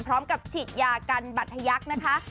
พร้อมกับฉีดยากันบัตรทยักษ์นะคะ